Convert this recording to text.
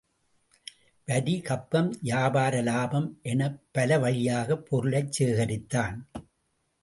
வரி, கப்பம், வியாபார லாபம் எனப் பலவழியாகப் பொருளைச்சேகரித்தான்.